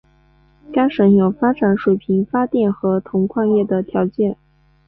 该省有发展水力发电和铜矿业的条件。